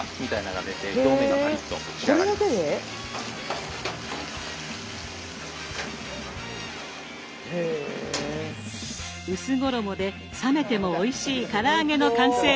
薄衣で冷めてもおいしいから揚げの完成です。